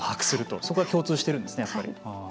そこは共通しているんですね。